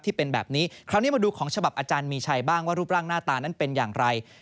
ที่เป็นแบบนี้คราวนี้มาดูของฉบับอาจารย์มีชัยบ้างว่ารูปร่างหน้าตานั้นเป็นอย่างไร